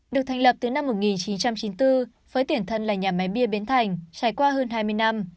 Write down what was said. được thành lập từ năm một nghìn chín trăm chín mươi bốn với tiền thân là nhà máy bia bến thành trải qua hơn hai mươi năm